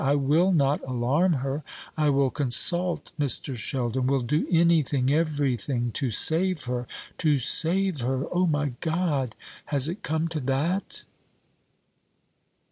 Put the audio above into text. I will not alarm her. I will consult Mr. Sheldon will do anything, everything, to save her! To save her! O my God, has it come to that?"